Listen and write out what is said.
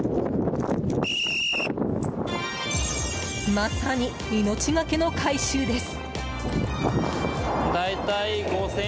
まさに、命がけの回収です。